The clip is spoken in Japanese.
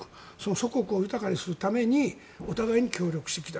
祖国を豊かにするためにお互いに協力してきた。